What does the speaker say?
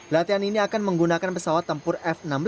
latihan ini akan menggunakan pesawat tempur f enam belas